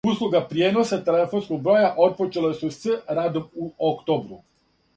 Услуге пријеноса телефонског броја отпочеле су с радом у октобру.